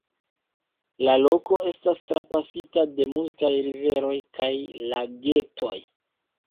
La loko estas trapasita de multaj riveroj kaj lagetoj.